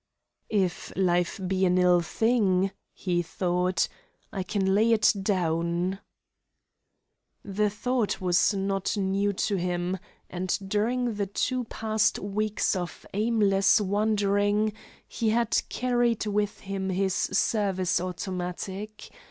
"If life be an ill thing," he thought, "I can lay it down!" The thought was not new to him, and during the two past weeks of aimless wandering he had carried with him his service automatic.